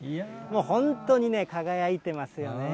本当にね、輝いてますよね。